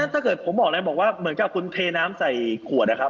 ถ้าเกิดผมบอกแล้วบอกว่าเหมือนกับคุณเทน้ำใส่ขวดนะครับ